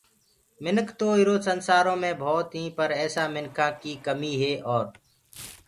مِنک تو ايرو سنسآرو مي ڀوتيٚنٚ پر ايسآ مِنکآنٚ ڪي ڪميٚ هي اور